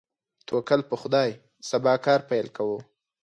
توکل په خدای، سبا کار پیل کوو.